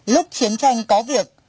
lúc chiến tranh có việc